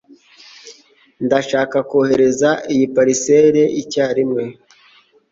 Ndashaka kohereza iyi parcelle icyarimwe.